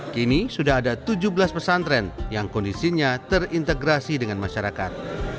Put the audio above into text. kini sudah ada tujuh belas pesantren yang kondisinya terintegrasi dengan masyarakat